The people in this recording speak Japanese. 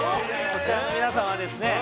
こちらの皆さんはですね